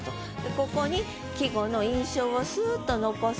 ここに季語の印象をスッと残すと。